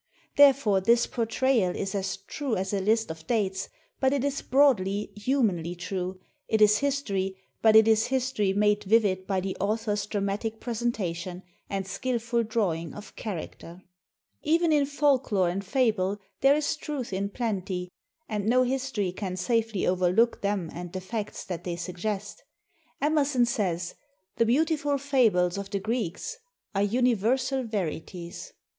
Therefore this portrayal is as true as a list of dates, but it is broadly, humanly true; it is history, but it is history made vivid by the author's dramatic presentation and skillful drawing of character. Even in folk lore and fable there is truth in plenty, and no history can safely overlook them and the facts that they suggest. Emerson says, "The beautiful fables of the Greeks ... are universal verities."